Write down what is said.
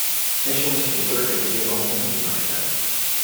Es un escritor que te lleva a un mundo imaginario